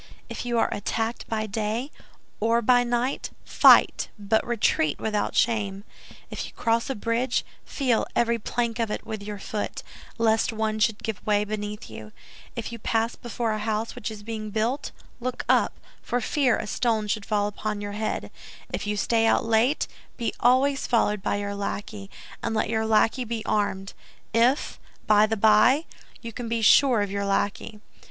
If you are attacked by day or by night, fight, but retreat, without shame; if you cross a bridge, feel every plank of it with your foot, lest one should give way beneath you; if you pass before a house which is being built, look up, for fear a stone should fall upon your head; if you stay out late, be always followed by your lackey, and let your lackey be armed—if, by the by, you can be sure of your lackey.